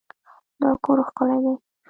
دا کور ښکلی دی.